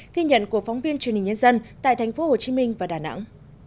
ghi nhận của phóng viên truyền hình nhân dân tại thành phố hồ chí minh và đà nẵng